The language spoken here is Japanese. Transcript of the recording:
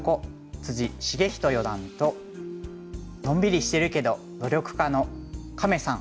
篤仁四段とのんびりしてるけど努力家の「カメさん」